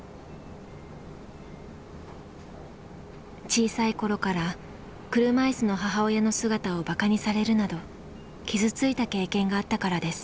小さい頃から車いすの母親の姿をバカにされるなど傷ついた経験があったからです。